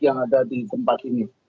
yang ada di tempat ini